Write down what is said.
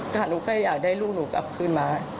ค่ะหนูก็อยากได้ลูกหนูกลับคืนมา